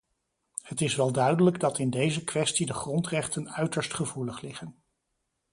Het is wel duidelijk dat in deze kwestie de grondrechten uiterst gevoelig liggen.